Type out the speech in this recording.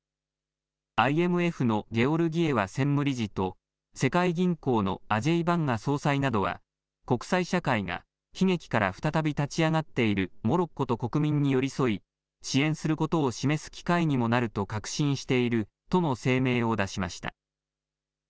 ＩＭＦのゲオルギエワ専務理事と世界銀行のアジェイ・バンガ総裁などは国際社会が悲劇から再び立ち上がっているモロッコと国民に寄り添い、支援することを示す機会にもなると確信しているとの声明を出しました。